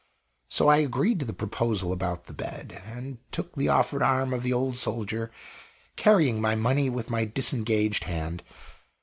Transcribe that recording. So I agreed to the proposal about the bed, and took the offered arm of the old soldier, carrying my money with my disengaged hand.